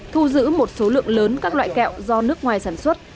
thu giữ một số lượng lớn các loại kẹo do nước ngoài sản xuất